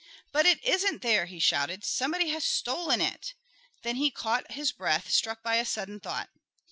"But it isn't there," he shouted. "Somebody has stolen it." Then he caught his breath, struck by a sudden thought.